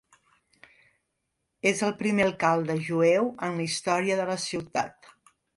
És el primer alcalde jueu en la història de la ciutat.